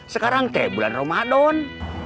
sekarang te bulan ramadhan